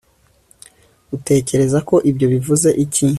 utekereza ko ibyo bivuze iki